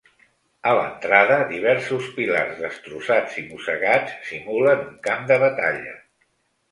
A l’entrada, diversos pilars destrossats i mossegats simulen un camp de batalla.